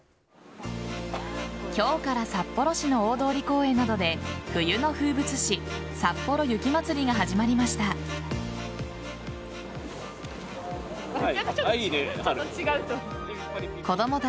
今日から札幌市の大通公園などで冬の風物詩さっぽろ雪まつりが始まりました。